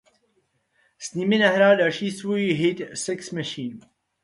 S nimi nahrál další svůj hit Sex Machine.